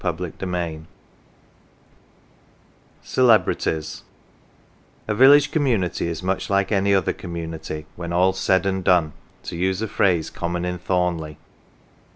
45 CELEBRITIES CELEBRITIES A VILLAGE community is much like any other com munity " when alPs said and done " (to use a phrase common in Thornleigh).